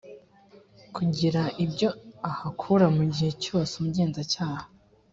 kugira ibyo ahakura mu gihe cyose umugenzacyaha